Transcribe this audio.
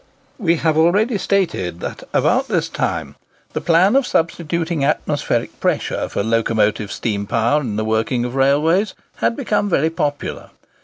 We have already stated that about this time the plan of substituting atmospheric pressure for locomotive steam power in the working of railways, had become very popular.